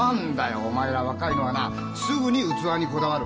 お前ら若いのはなすぐに器にこだわる。